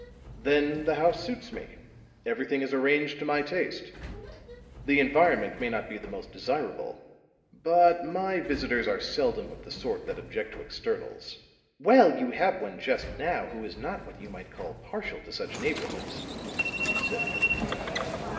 Then, the house suits me; everything is arranged to my taste. The environment may not be the most desirable; but, my visitors are seldom of the sort that object to externals." "Well, you have one just now who is not what you might call partial to such neighborhoods," said Pendleton.